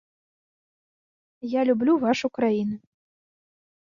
Я люблю вашу краіну.